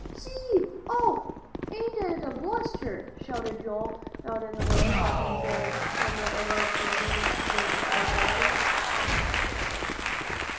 "See! Oh, ain't it a buster!" shouted Joel out in the road, hoping some other team would come by.